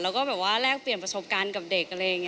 แล้วก็แบบว่าแรกเปลี่ยนประสบการณ์กับเด็กเลย